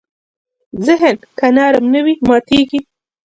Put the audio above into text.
ذهن که نرم نه وي، ماتېږي.